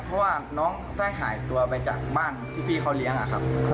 เพราะว่าน้องได้หายตัวไปจากบ้านที่พี่เขาเลี้ยงอะครับ